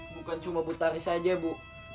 bukan cuma butari saja bu